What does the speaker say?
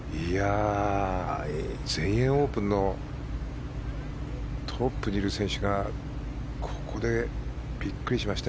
全英オープンのトップにいる選手がここでびっくりしました。